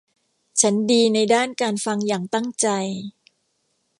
ฉันดีในด้านการฟังอย่างตั้งใจ